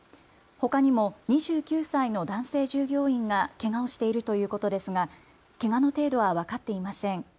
ほかにも２９歳の男性従業員がけがをしているということですがけがの程度は分かっていません。